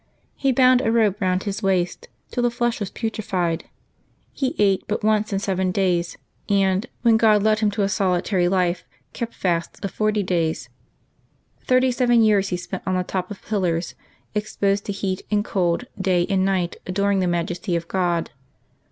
He bound a rope round his waist till the flesh was putrefied. He ate but once in seven days, and, when God led him to a solitary life, kept fasts of forty da3's. Thirty seven years he spent on the top of pillars, exposed to heat and cold, day and night adoring the majesty of God.